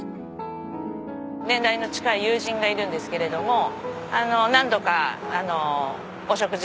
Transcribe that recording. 年代の近い友人がいるんですけれども何度かお食事